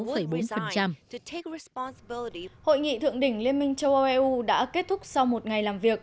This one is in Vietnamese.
hội nghị thượng đỉnh liên minh châu âu eu đã kết thúc sau một ngày làm việc